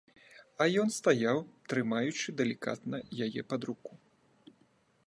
А ён стаяў, трымаючы далікатна яе пад руку.